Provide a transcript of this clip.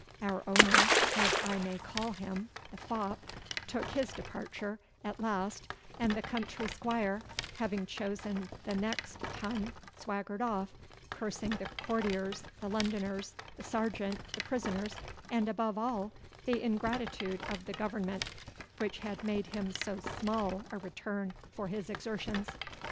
Our owner, as I may call him, the fop, took his departure at last, and the country squire having chosen the next ton swaggered off, cursing the courtiers, the Londoners, the sergeant, the prisoners, and above all, the ingratitude of the Government which had made him so small a return for his exertions.